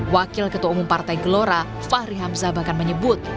wakil ketua umum partai gelora fahri hamzah bahkan menyebut